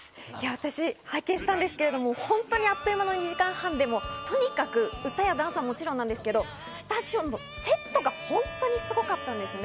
私、拝見したんですけど、本当にあっという間の２時間半で、とにかく歌やダンスはもちろんなんですけど、スタジオのセットが本当にすごかったんですね。